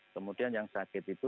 kemudian yang sakit itu